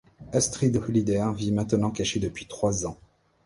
Astrid Holleeder vit maintenant cachée depuis trois ans.